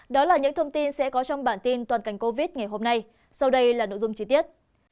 đó là những thông tin sẽ có trong bản tin toàn cảnh covid ngày hôm nay sau đây là nội dung chi tiết